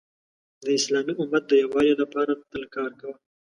د اسلامی امت د یووالي لپاره تل کار کوه .